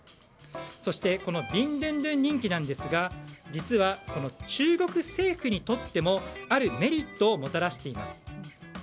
そして、このビンドゥンドゥン人気なんですが実は中国政府にとってもあるメリットをもたらしています。